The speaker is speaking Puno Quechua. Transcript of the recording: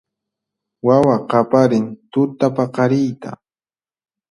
Wawa qaparin tutapaqariyta